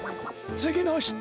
つぎのひと。